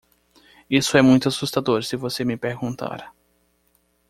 Isso é muito assustador se você me perguntar.